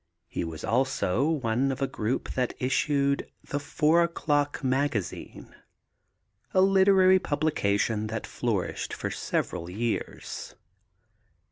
He was also one of a group that issued the Four O'Clock Magazine, a literary publication which flourished for several years.